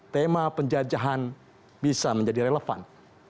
tema penjajahan bisa menjadi relevan